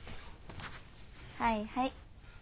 はいはい。